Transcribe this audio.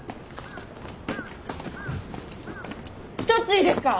一ついいですか？